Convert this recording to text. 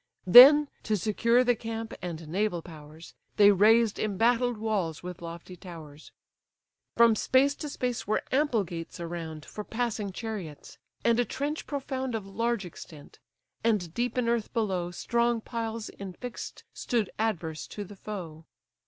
Then, to secure the camp and naval powers, They raised embattled walls with lofty towers: From space to space were ample gates around, For passing chariots, and a trench profound Of large extent; and deep in earth below, Strong piles infix'd stood adverse to the foe.